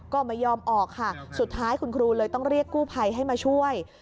ก็ไม่ยอมออกค่ะสุดท้ายคุณครูเลยต้องเรียกกู้ภัยให้มาช่วย